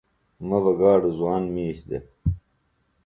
مہ بہ گاڈوۡ زوان مِیش دےۡ